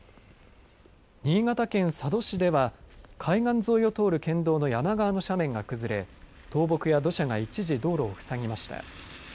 新潟県佐渡市では海岸沿いを通る県道の山側の斜面が崩れ倒木や土砂が一時道路を塞ぎました。